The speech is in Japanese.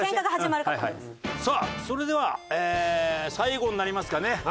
さあそれでは最後になりますかね。